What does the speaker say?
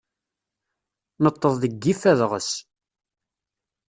Neṭṭeḍ deg yif adɣes.